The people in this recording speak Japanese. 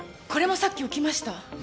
これもさっき起きました。